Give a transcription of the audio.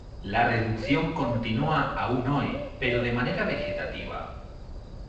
La reducción continúa aun hoy, pero de manera vegetativa.